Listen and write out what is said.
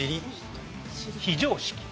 非常識。